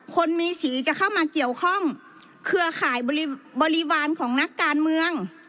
คนมีสีจะเข้ามาเกี่ยวข้องเครือข่ายบริวารของนักการเมือง